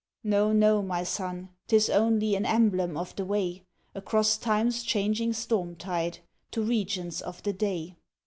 "No, no, my Son, t'is only An emblem of the way, Across time's changing storm tide, To regions of the day."